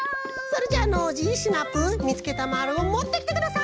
それじゃあノージーシナプーみつけたまるをもってきてください！